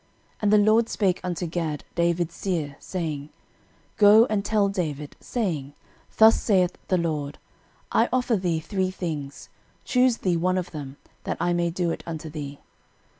13:021:009 And the LORD spake unto Gad, David's seer, saying, 13:021:010 Go and tell David, saying, Thus saith the LORD, I offer thee three things: choose thee one of them, that I may do it unto thee.